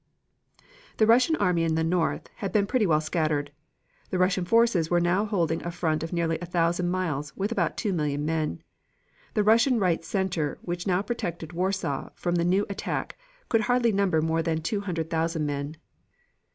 The Russian army in the north had been pretty well scattered. The Russian forces were now holding a front of nearly a thousand miles, with about two million men. The Russian right center, which now protected Warsaw from the new attack could hardly number more than two hundred thousand men.